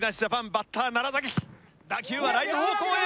バッター打球はライト方向へ！